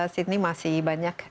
sidney masih banyak